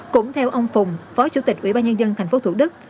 cũng theo ông phùng phó chủ tịch ủy ban nhân dân thành phố thủ đức